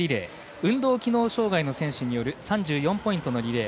運動機能障がいの選手による３４ポイントのリレー。